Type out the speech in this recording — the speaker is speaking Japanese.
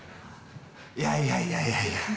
いやいやいやいや。